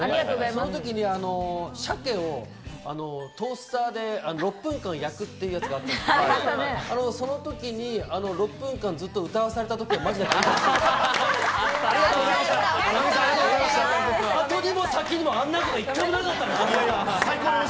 そのときに鮭をトースターで６分間焼くっていうやつがあったんですけど、その時に６分間ずっと歌わされたときはあとにも先にも、あんなこと一回もなかった。